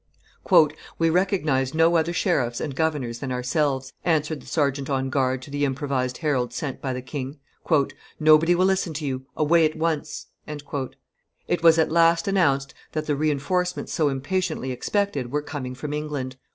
] "We recognize no other sheriffs and governors than ourselves," answered the sergeant on guard to the improvised herald sent by the king; "nobody will listen to you; away at once!" It was at last announced that the re enforcements so impatiently expected were coming from England.